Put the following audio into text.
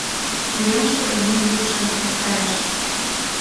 Уремыште гармонь йӱк шергылт кайыш.